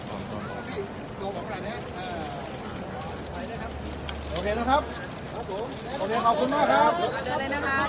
โอเคนะครับโอเคขอบคุณมากครับ